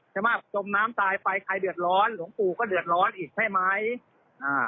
ใช่ไหมจมน้ำตายไปใครเดือดร้อนหลวงปู่ก็เดือดร้อนอีกใช่ไหมอ่า